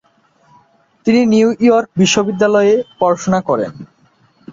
তিনি New York বিশ্ববিদ্যালয়ে পড়াশোনা করেন।